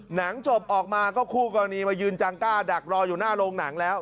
หนังจบออกมาก็คู่กรณีมายืนจังกล้าดักรออยู่หน้าโรงหนังแล้ว